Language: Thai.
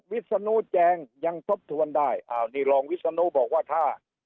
วิศนุแจงยังทบทวนได้อ้าวนี่รองวิศนุบอกว่าถ้า